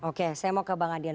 oke saya mau ke bang adian